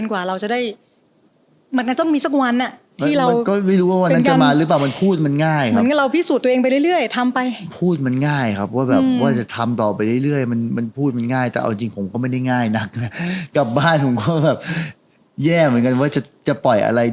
เวิร์ดสองที่พูดถึงเรื่องว่า